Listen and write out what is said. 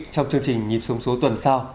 trong chương trình nhịp sống số tuần sau